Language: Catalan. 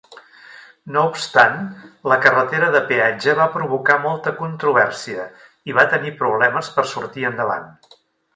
No obstant, la carretera de peatge va provocar molta controvèrsia i va tenir problemes per sortir endavant.